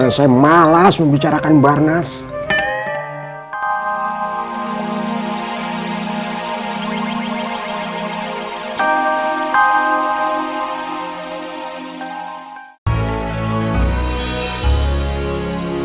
khoo pentos ndapalik yang juga memersanakan khumalahnya ritual perhimpunan